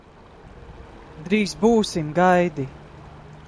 Drīz būsim, gaidi!